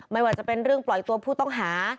ไม่ว่าจะเป็นเรื่องปล่อยตัวผู้ต้องหา